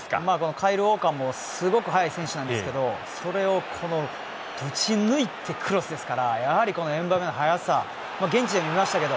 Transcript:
カイル・ウォーカーもすごく速い選手なんですけどそれをぶち抜いてクロスですからやはりエムバペの速さ現地で見ましたけど。